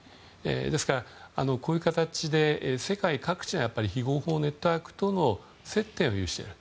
ですから、こういう形で世界各地で非合法ネットワークとの接点を有している。